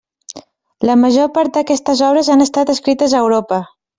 La major part d'aquestes obres han estat escrites a Europa.